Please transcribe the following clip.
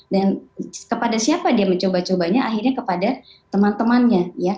dan kepada siapa dia mencoba cobanya akhirnya kepada teman temannya ya